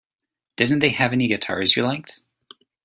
Didn't they have any guitars you liked?